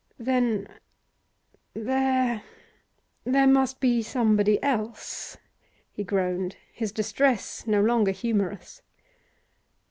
'Then there there must be somebody else?' he groaned, his distress no longer humorous.